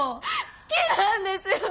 好きなんですよ